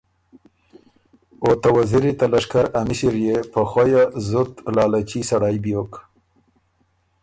او ته وزیری ته لشکر ا مِݭِر يې په خؤیه زُت لالچي سړئ بیوک